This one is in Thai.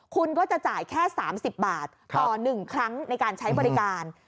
คุณก็จะจ่ายแค่๓๐บาทต่อ๑ครั้งในการใช้บริการ